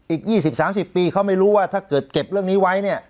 อีก๒๐๓๐ปีเขาไม่รู้ว่าถ้าเกิดเก็บเรื่องนี้ไว้เนี่ย